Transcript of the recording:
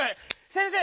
先生！